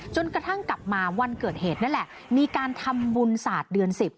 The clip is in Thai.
จนกระทั่งกลับมาวันเกิดเหตุนั่นแหละมีการทำบุญศาสตร์เดือน๑๐